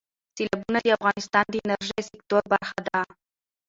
سیلابونه د افغانستان د انرژۍ سکتور برخه ده.